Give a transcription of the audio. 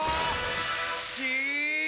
し！